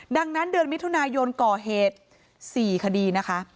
ดังนั้นเดือนมิถุนายนก่อเหตุ๔คดีนะคะ